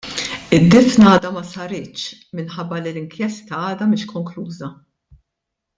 Id-difna għadha ma saritx minħabba li l-inkjesta għadha mhix konkluża.